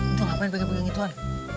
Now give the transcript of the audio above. itu ngapain bagian bagian ituan